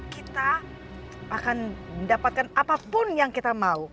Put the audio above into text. kita akan mendapatkan apapun yang kita mau